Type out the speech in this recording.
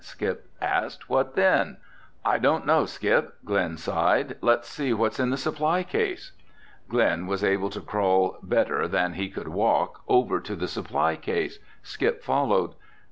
Skip asked. "What then?" "I don't know, Skip," Glen sighed. "Let's see what's in the supply case." Glen was able to crawl better than he could walk over to the supply case. Skip followed.